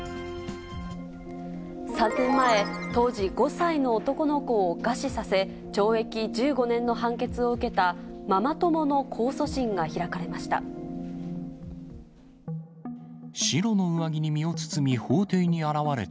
３年前、当時５歳の男の子を餓死させ、懲役１５年の判決を受けたママ友の控訴審が開かれました。